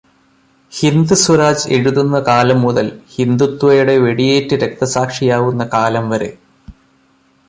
ഹിന്ദ് സ്വരാജ് എഴുതുന്ന കാലം മുതല് ഹിന്ദുത്വയുടെ വെടിയേറ്റു രക്തസാക്ഷിയാവുന്ന കാലം വരെ